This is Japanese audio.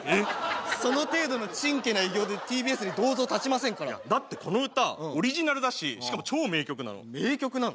その程度のチンケな偉業でＴＢＳに銅像建ちませんからいやだってこの歌オリジナルだししかも超名曲なの名曲なの？